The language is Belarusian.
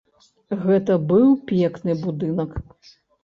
Гэта быў пекны будынак.